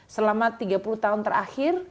selama tiga puluh tahun terakhir